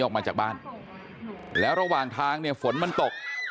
ออกมาจากบ้านแล้วระหว่างทางเนี่ยฝนมันตก